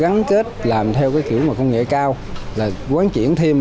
phán kết làm theo cái kiểu mà công nghệ cao là quán chuyển thêm